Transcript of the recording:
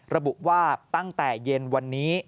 ระบุว่าตั้งแต่เย็นวันนี้